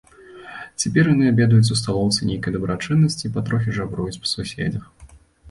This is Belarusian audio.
Цяпер яны абедаюць у сталоўцы нейкай дабрачыннасці і патрохі жабруюць па суседзях.